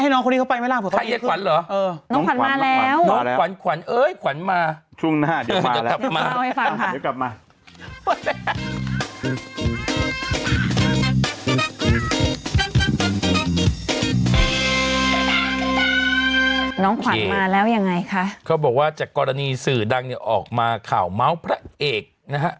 น้องขวัญมาแล้วยังไงคะเขาบอกว่าจากกรณีสื่อดังเนี่ยออกมาข่าวเมาส์พระเอกนะฮะ